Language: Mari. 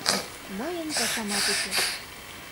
Мыйын пашамат уке».